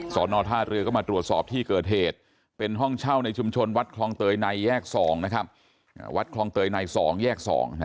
สอนอธาตุเรือก็มาตรวจสอบที่เกิดเหตุเป็นห้องเช่าในชุมชนวัดคลองเตยไนแยกสองนะครับ